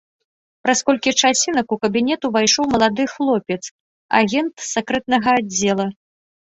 Праз колькі часінак у кабінет увайшоў малады хлопец, агент сакрэтнага аддзела.